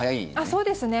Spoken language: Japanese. そうですね。